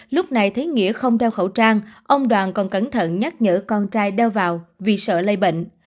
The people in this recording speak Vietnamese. lúc này thấy nghĩa không đeo khẩu trang ông đoàn còn cẩn thận nhắc nhở con trai đeo vào vì sợ lây bệnh